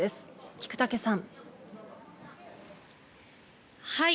菊竹さん。